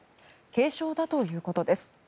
軽傷だということです。